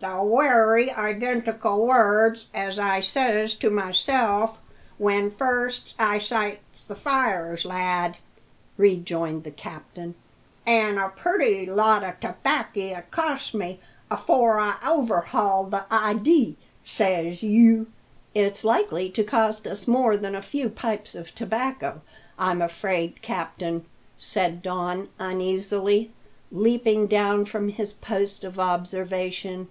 "The wery identical words as I says to myself when first I sights the fires, lad," rejoined the captain; "an' a purty lot o' tobackie it cost me afore I overhauled the idee, says you." "It's likely to cost us more than a few pipes of tobacco, I'm afraid, captain," said Don uneasily, leaping down from his post of observation.